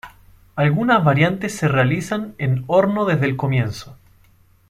Algunas variantes se realizan en horno desde el comienzo.